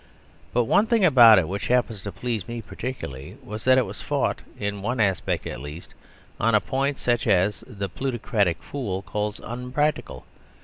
But one thing about it which happens to please me particularly was that it was fought, in one aspect at least, on a point such as the plutocratic fool calls unpractical.